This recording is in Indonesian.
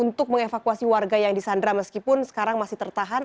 untuk mengevakuasi warga yang disandra meskipun sekarang masih tertahan